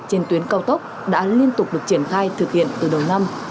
trên tuyến cao tốc đã liên tục được triển khai thực hiện từ đầu năm